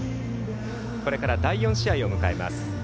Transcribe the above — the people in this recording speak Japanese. これから第４試合を迎えます。